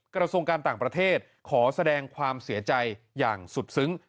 กระทรวงการต่างประเทศขอแสดงความเสียใจอย่างสุดซึ้ง